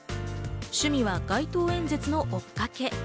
趣味は街頭演説の追っかけ。